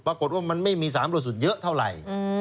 ปรากฏว่ามันไม่มี๓บริสุทธิ์เยอะเท่าไหร่